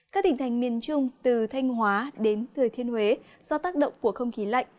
các tỉnh thành miền trung từ thanh hóa đến thừa thiên huế do tác động của không khí lạnh